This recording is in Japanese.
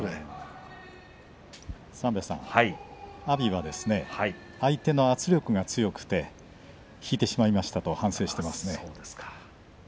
阿炎は、相手の圧力が強くて引いてしまいましたと反省していました。